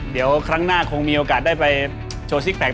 เดี๋ยวครั้งหน้าคงมีโอกาสได้ไปโชว์ซิกแกค